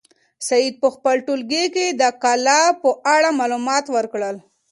سعید په خپل ټولګي کې د کلا په اړه معلومات ورکړل.